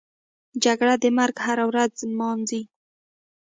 جګړه د مرګ هره ورځ نمانځي